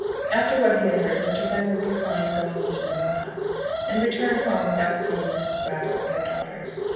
After what he had heard, Mr. Fenwick declined going into the mill house, and returned home without seeing Mrs. Brattle and her daughters.